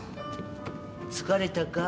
疲れたか？